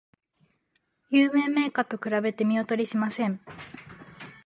有名メーカーと比べて見劣りしません